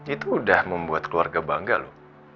itu udah membuat keluarga bangga loh